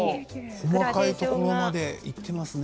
細かいところまでいっていますね。